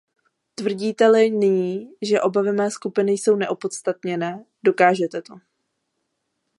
Tvrdíte-li nyní, že obavy mé skupiny jsou neopodstatněné, dokažte to.